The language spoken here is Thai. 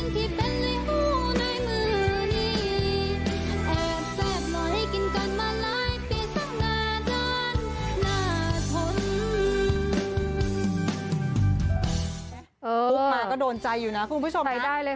กลุ่มมาก็โดนใจอยู่นะคุณผู้ชมนะใจได้เลยค่ะ